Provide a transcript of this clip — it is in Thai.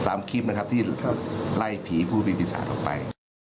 ตามคลิปนะครับที่ไล่ผีผู้มีปีศาจออกไป